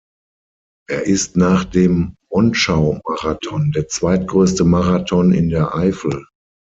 Er ist nach dem Monschau-Marathon der zweitgrößte Marathon in der Eifel.